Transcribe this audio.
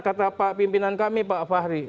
kata pak pimpinan kami pak fahri